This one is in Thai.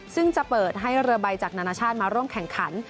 ซึ่งจะเปิดให้เรือใบจากนานาชาติมาร่วมแข่งขัน